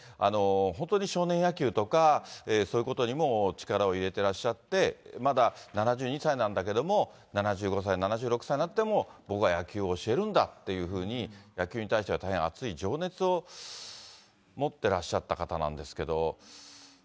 本当に少年野球とか、そういうことにも力を入れてらっしゃって、まだ７２歳なんだけども、７５歳、７６歳になっても、僕は野球を教えるんだっていうふうに、野球に対しては大変熱い情熱を持ってらっしゃった方なんですけど。